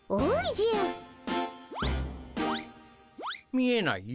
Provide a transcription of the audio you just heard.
見えないよ。